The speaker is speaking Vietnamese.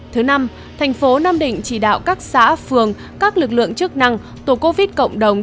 thứ năm thành phố nam định chỉ đạo các xã phường các lực lượng chức năng tổ covid cộng đồng